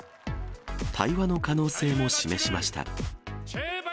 対話の可能性も示しました。